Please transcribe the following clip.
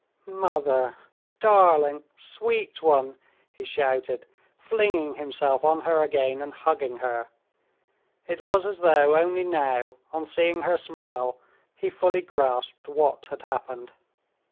"Mother, darling, sweet one!" he shouted, flinging himself on her again and hugging her. It was as though only now, on seeing her smile, he fully grasped what had happened.